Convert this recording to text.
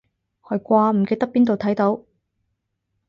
係啩，唔記得邊度睇到